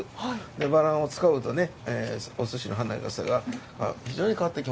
バランを使うとお寿司の華やかさが非常に変わってきますね。